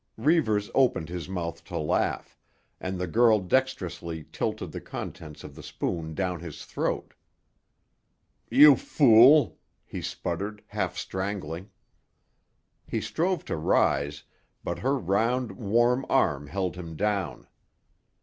Reivers opened his mouth to laugh, and the girl dexterously tilted the contents of the spoon down his throat. "You fool!" he sputtered, half strangling. He strove to rise, but her round, warm arm held him down.